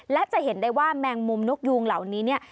และจะเห็นได้ว่าแมงมุมนกยูงเหล่านี้เนี่ย